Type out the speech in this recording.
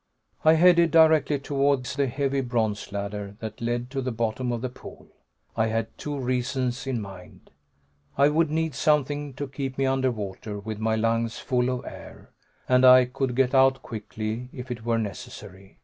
I headed directly towards the heavy bronze ladder that led to the bottom of the pool. I had two reasons in mind. I would need something to keep me under water, with my lungs full of air, and I could get out quickly if it were necessary.